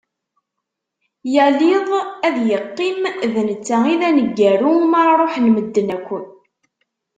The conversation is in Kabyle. Yal iḍ ad yeqqim d netta i d aneggaru, mi ara ruḥen medden akk.